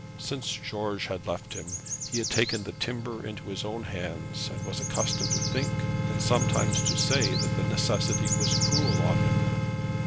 Since George had left him he had taken the timber into his own hands, and was accustomed to think and sometimes to say that the necessity was cruel on him.